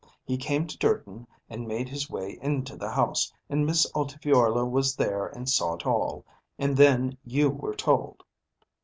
He came to Durton and made his way into the house, and Miss Altifiorla was there and saw it all; and then you were told."